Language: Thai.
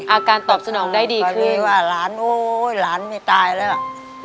อาการตอบสนองได้ดีขึ้นก็เลยว่าหลานโอ้โฮหลานไม่ตายแล้ว